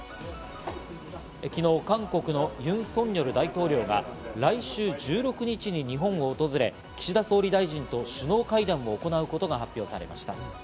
昨日、韓国のユン・ソンニョル大統領が来週１６日に日本を訪れ、岸田総理大臣と首脳会談を行うことが発表されました。